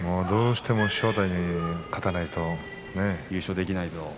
どうしても正代に勝たないと優勝できないと。